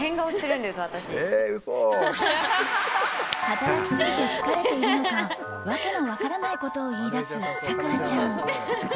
働きすぎて疲れているのか訳の分からないことを言い出す咲楽ちゃん。